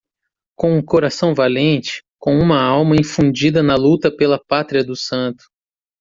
Com um coração valente, com uma alma infundida na luta pela pátria do santo!